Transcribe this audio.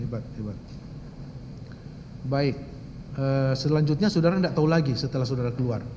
baik selanjutnya saudara tidak tahu lagi setelah saudara keluar